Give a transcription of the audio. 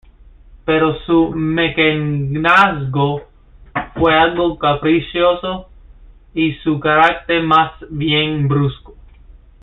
Pero su mecenazgo fue algo caprichoso, y su carácter más bien brusco.